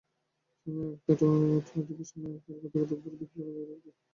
শামীমা আখতারঅর্থনীতিবিদ শামীমা আখতার গতকাল রোববার বিকেলে রাজধানীর একটি হাসপাতালে ইন্তেকাল করেছেন।